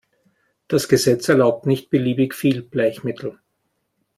Das Gesetz erlaubt nicht beliebig viel Bleichmittel.